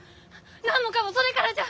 何もかんもそれからじゃ！